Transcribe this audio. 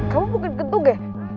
kamu mungkin kentung ya